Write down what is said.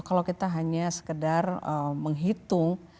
empat kalau kita hanya sekedar menghitung berapa proporsi yang ditemukan itu